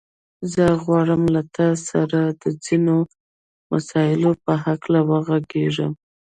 زه غواړم له تاسو سره د ځينو مسايلو په هکله وغږېږم.